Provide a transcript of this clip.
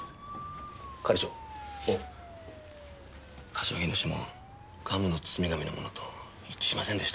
柏木の指紋ガムの包み紙のものと一致しませんでした。